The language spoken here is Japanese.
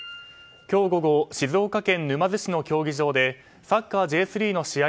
今日午後静岡県沼津市の競技場でサッカーＪ３の試合